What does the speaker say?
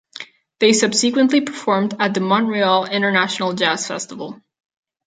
They subsequently performed at the Montreal International Jazz Festival.